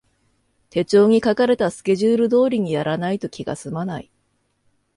手帳に書かれたスケジュール通りにやらないと気がすまない